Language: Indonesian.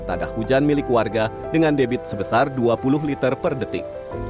pada hujan milik warga dengan debit sebesar dua puluh liter per detik